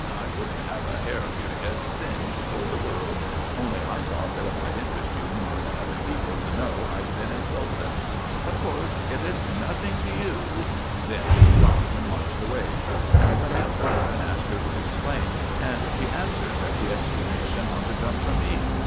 I wouldn't have a hair of your head singed for the world; only I thought that it might interest you more than other people to know I'd been insulted. Of course, if it's nothing to you ' Then she stopped and marched away, and I went after her and asked her to explain, and she answered that the explanation ought to come from me.